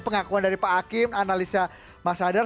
pengakuan dari pak hakim analisa mas hadar